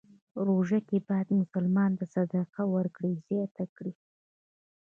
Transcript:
روژه کې باید مسلمان د صدقې ورکړه زیاته کړی.